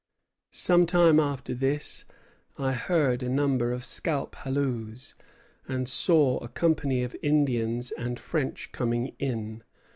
Some time after this, I heard a number of scalp halloos, and saw a company of Indians and French coming in.